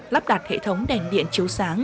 lắp đặt hệ thống đèn điện chiếu sáng